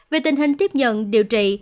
về tình hình tiếp nhận điều trị